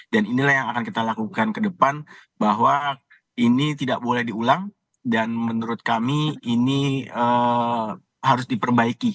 inilah yang akan kita lakukan ke depan bahwa ini tidak boleh diulang dan menurut kami ini harus diperbaiki